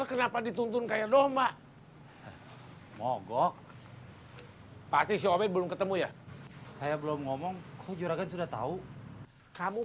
hai splendor soal desa di rumah kamu